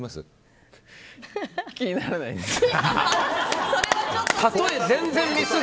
気にならないです。